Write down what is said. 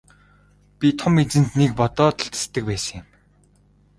Би Том эзэнтнийг бодоод л тэсдэг байсан юм.